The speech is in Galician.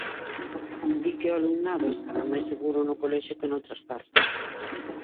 Di que o alumnado estará máis seguro no colexio que noutras partes.